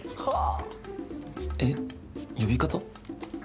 えっ呼び方？